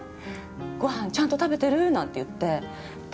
「ご飯ちゃんと食べてる？」なんて言って。